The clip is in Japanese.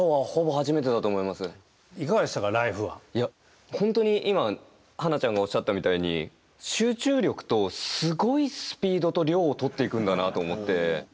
いや本当に今花ちゃんがおっしゃったみたいに集中力とすごいスピードと量を撮っていくんだなと思って。